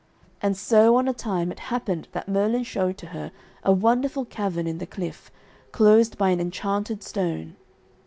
And so on a time it happened that Merlin showed to her a wonderful cavern in the cliff, closed by an enchanted stone.